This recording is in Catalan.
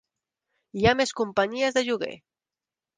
Hi ha més companyies de lloguer.